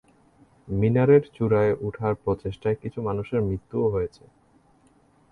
মিনারের চূড়ায় উঠার প্রচেষ্টায় কিছু মানুষের মৃত্যুও হয়েছে।